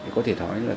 có thể nói là